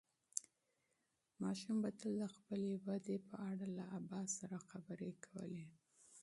ماشوم به تل د خپلې ودې په اړه له ابا سره خبرې کولې.